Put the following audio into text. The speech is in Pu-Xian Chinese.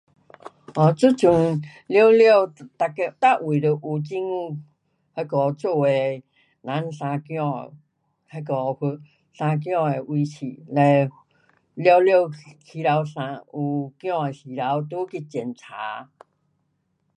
哦这阵完了每个每位都有政府那个做的人生儿，那个要人生儿的位处。嘞完了起头生有儿的时头都去检查。